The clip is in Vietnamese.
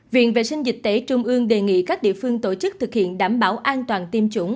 viện vệ sinh dịch tễ trung ương đề nghị các địa phương tổ chức thực hiện đảm bảo an toàn tiêm chủng